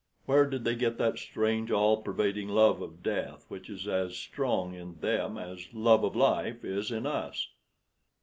Where did they get that strange, all pervading love of death, which is as strong in them as love of life is in us?"